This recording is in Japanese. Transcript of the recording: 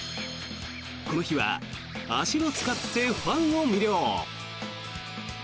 この日は足を使ってファンを魅了。